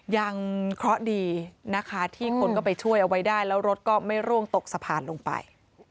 ยังเคราะห์ดีนะคะที่คนก็ไปช่วยเอาไว้ได้แล้วรถก็ไม่ร่วงตกสะพานลงไป